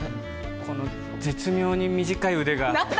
この絶妙に短い腕が。